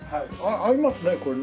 合いますねこれね。